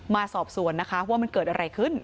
มาสอบสวนนะคะว่ามันเกิดอะไรขึ้น